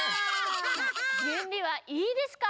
じゅんびはいいですか？